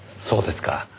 そうですか。